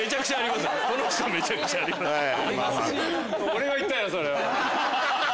「俺が言ったよそれは」。